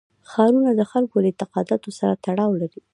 ښارونه د خلکو له اعتقاداتو سره تړاو لري.